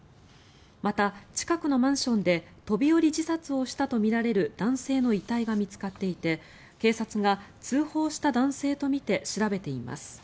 また近くのマンションで飛び降り自殺をしたとみられる男性の遺体が見つかっていて警察が通報した男性とみて調べています。